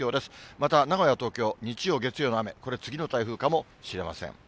また、名古屋、東京、日曜、月曜の雨、これ、次の台風かもしれません。